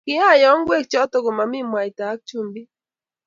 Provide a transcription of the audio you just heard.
kiayoo ngwek choto ko mamii mwaita ak chumbik